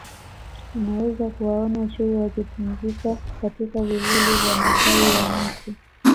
Unaweza kuwaona Chui wakipumzika katika vivuli vya matawi ya miti